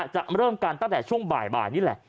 จะเริ่มกันตั้งแต่ช่วงบ่ายนี่แหละ